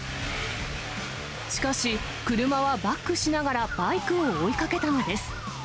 しかし、車はバックしながらバイクを追いかけたのです。